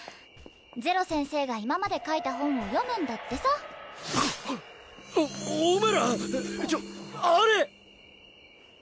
ゼロ先生が今まで書いた本を読むんだってさおお前らちょっあれ！